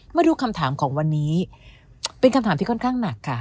มาดูคำถามของวันนี้เป็นคำถามที่ค่อนข้างหนักค่ะ